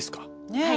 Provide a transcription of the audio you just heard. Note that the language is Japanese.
ねえ。